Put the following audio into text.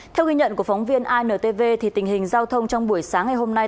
theo ghi nhận của phóng viên intv tình hình giao thông trong buổi sáng ngày hôm nay